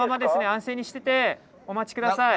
安静にしててお待ち下さい。